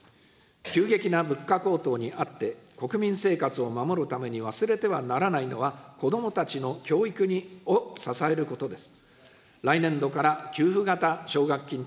急激な物価高騰にあって、国民生活を守るために忘れてはならないのは、子どもたちの教育を支えることです。